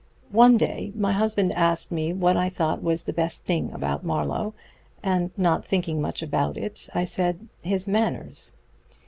One day my husband asked me what I thought was the best thing about Marlowe, and not thinking much about it I said, 'His manners.'